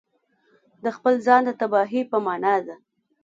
د خپل ځان د تباهي په معنا ده.